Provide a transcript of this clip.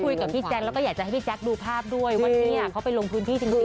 คุยกับพี่แจ๊คแล้วก็อยากจะให้พี่แจ๊คดูภาพด้วยว่าเนี่ยเขาไปลงพื้นที่จริง